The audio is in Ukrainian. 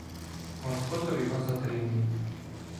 Господар його затримує: